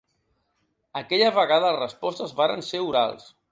Aquella vegada, les respostes varen ser orals.